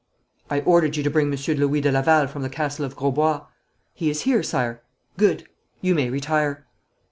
'I ordered you to bring Monsieur Louis de Laval from the castle of Grosbois.' 'He is here, Sire.' 'Good! You may retire.'